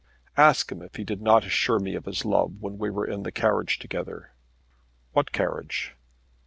"Ask him if he did not assure me of his love when we were in the carriage together." "What carriage?"